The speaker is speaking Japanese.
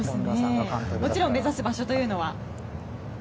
もちろん目指す場所というのは？